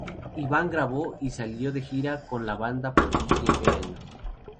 Ivan grabó y salió de gira con la banda por siete años.